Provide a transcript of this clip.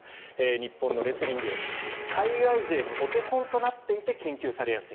日本のレスリング海外勢のお手本となっていて研究されやすい。